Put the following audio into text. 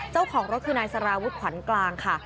เจ้าของรถคือนายสารวุฒิขวัญกลางค่ะ